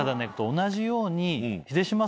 同じように。